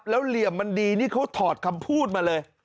แล้วเหลี่ยมมันดีนี่เขาถอดคำพูดมาเลย